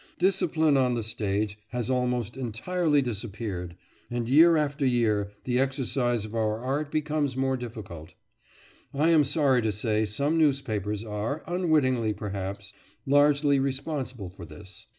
Discipline on the stage has almost entirely disappeared, and year after year the exercise of our art becomes more difficult. I am sorry to say some newspapers are, unwittingly perhaps, largely responsible for this.